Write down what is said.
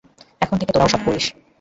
এখন থেকে তোরা ও-সব করিস।